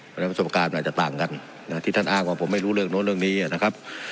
เพราะฉะนั้นประสบการณ์มันอาจจะต่างกันที่ท่านอ้างว่าผมไม่รู้เรื่องโน้นเรื่องนี้นะครับ